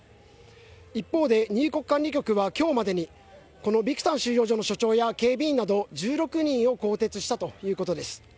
一方で、入国管理局は今日までにこのビクタン収容所の所長や警備員など１６人を更迭したということです。